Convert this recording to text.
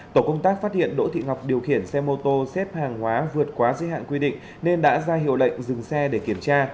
tổ công tác phát hiện đỗ thị ngọc điều khiển xe mô tô xếp hàng hóa vượt quá giới hạn quy định nên đã ra hiệu lệnh dừng xe để kiểm tra